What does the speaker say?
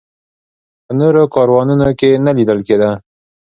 په نورو کاروانونو کې نه لیدل کېده.